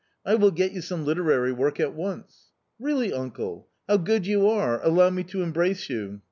I will get you some literary work at once." " Really, uncle ? how good you are !— allow me to embrace you."